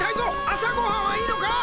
あさごはんはいいのか！？